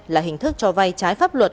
là hình thức cho vay trái pháp luật